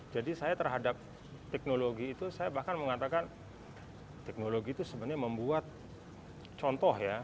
jadi saya terhadap teknologi itu saya bahkan mengatakan teknologi itu sebenarnya membuat contoh ya